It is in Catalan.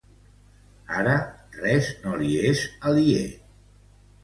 Ara res no li és aliè.